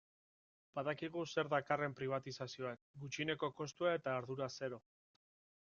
Badakigu zer dakarren pribatizazioak, gutxieneko kostua eta ardura zero.